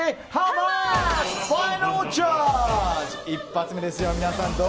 一発目ですよ、皆さん。